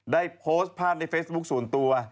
ได้โพสต์ภาพในเฟซบุ๊คส่วนตัว